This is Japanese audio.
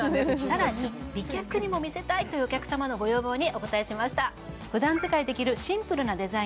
さらに美脚にも見せたいというお客様のご要望にお応えしました